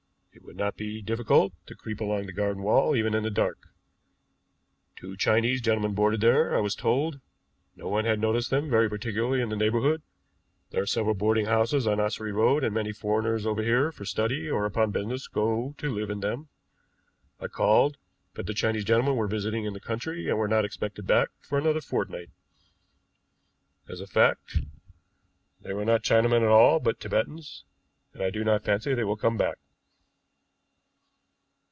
It would not be difficult to creep along the garden wall even in the dark. Two Chinese gentlemen boarded there, I was told. No one had noticed them very particularly in the neighborhood. There are several boarding houses in Ossery Road, and many foreigners over here for study or upon business go to live in them. I called, but the Chinese gentlemen were visiting in the country, and were not expected back for another fortnight. As a fact, they were not Chinamen at all, but Tibetans, and I do not fancy they will come back."